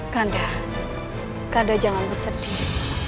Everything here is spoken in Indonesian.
kanda kanda jangan bersedih